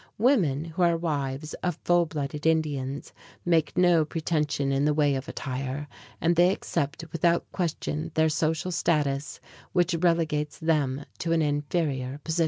Women who are wives of full blooded Indians make no pretension in the way of attire, and they accept without question their social status, which relegates them to an inferior position.